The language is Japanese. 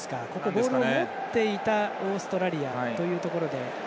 ボールを持っていたオーストラリアというところで。